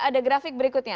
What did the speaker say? ada grafik berikutnya